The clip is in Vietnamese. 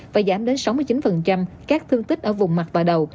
và giảm đến sáu mươi chín các thương tích ở vùng mặt và đầu